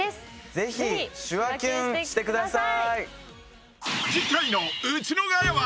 ぜひシュワキュンしてください。